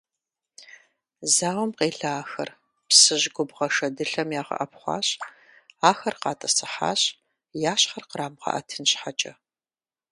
Зауэм къелахэр Псыжь губгъуэ шэдылъэм ягъэӏэпхъуащ, ахэр къатӏысыхьащ, я щхьэр кърамыгъэӏэтын щхьэкӏэ.